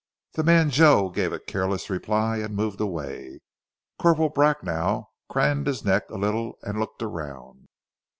The man Joe gave a careless reply, and moved away. Corporal Bracknell craned his neck a little and looked round.